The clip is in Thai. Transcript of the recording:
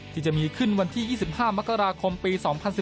ที่จะมีขึ้นวันที่๒๕มกราคมปี๒๐๑๙